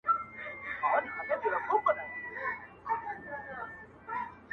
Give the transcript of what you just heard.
له لېوه څخه پسه نه پیدا کیږي-